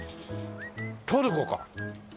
トルコか。